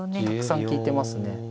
たくさん利いてますね。